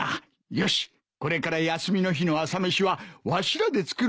よしこれから休みの日の朝飯はわしらで作るとするか。